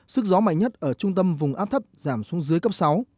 sức gió mạnh nhất ở trung tâm vùng áp thấp giảm xuống dưới cấp sáu